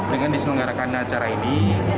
dengan diselenggarakan acara ini